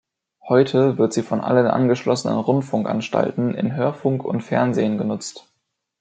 Heute wird sie von allen angeschlossenen Rundfunkanstalten in Hörfunk und Fernsehen genutzt.